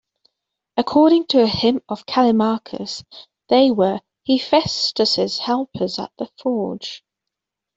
According to a hymn of Callimachus, they were Hephaestus' helpers at the forge.